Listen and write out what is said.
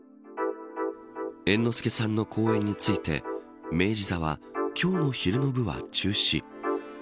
猿之助さんの公演について明治座は今日の昼の部は中止。